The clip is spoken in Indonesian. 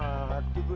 wah hati gua